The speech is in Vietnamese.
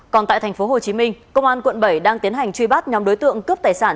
còn tại tp hcm công an quận bảy đang tiến hành truy bắt nhóm đối tượng cướp tài sản